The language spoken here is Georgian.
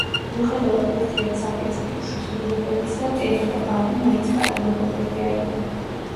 მიუხედავად ურთიერთსაპირისპირო შეხედულებებისა, ტედი და ბარნი მაინც კარგი მეგობრები არიან.